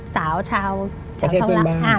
สาวชาวเกิดบ้าน